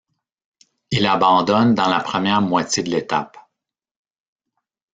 Il abandonne dans la première moitié de l'étape.